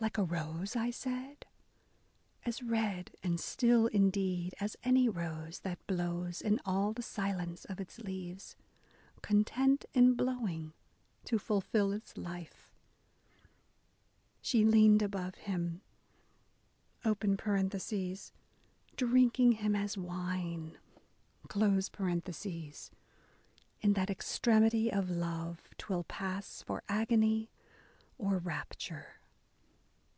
Like a rose, I said? As red and still indeed as any rose, That blows in all the silence of its leaves, Content, in blowing, to fulfil its life. ... She leaned above him, (drinking him as wine) In that extremity of love, 'twill pass For agony or rapture